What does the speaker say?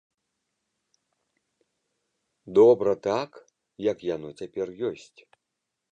Добра так, як яно цяпер ёсць.